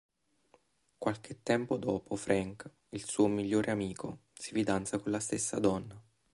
Qualche tempo dopo, Frank, il suo migliore amico, si fidanza con la stessa donna.